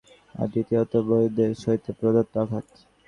প্রথমত শুক্তির শরীর নিঃসৃত রস, আর দ্বিতীয়ত বহির্দেশ হইতে প্রদত্ত আঘাত।